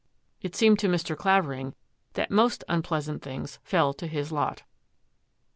It seemed to Mr. Clavering that most unpleasant things fell to his lot.